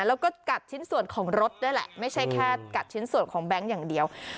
แล้วก็กัดชิ้นส่วนของรถด้วยแหละไม่ใช่แค่กัดชิ้นส่วนของแบงค์อย่างเดียว